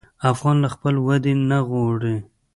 افغان له خپل وعدې نه اوړي.